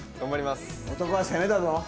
男は攻めだぞ！